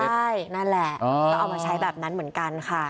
ใช่นั่นแหละก็เอามาใช้แบบนั้นเหมือนกันค่ะ